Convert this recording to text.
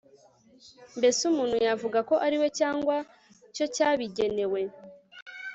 mbese umuntu yavuga ko ari we cyangwa cyo cyabigenewe